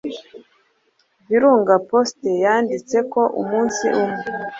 Virunga Post yanditse ko Umunsi umwe,